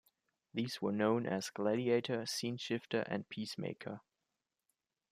These were known as "Gladiator", "Sceneshifter" and "Peacemaker".